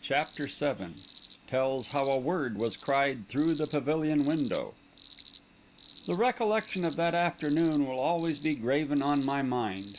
CHAPTER VII TELLS HOW A WORD WAS CRIED THROUGH THE PAVILION WINDOW The recollection of that afternoon will always be graven on my mind.